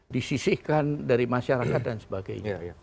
disisihkan dari masyarakat dan sebagainya